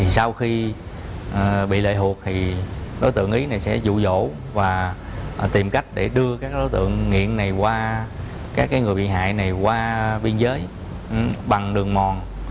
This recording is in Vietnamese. sau khi bị lệ hụt đối tượng ý sẽ dụ dỗ và tìm cách đưa đối tượng nghiện này qua biên giới bằng đường mòn